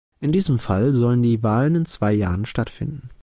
In diesem Fall sollen die Wahlen in zwei Jahren stattfinden.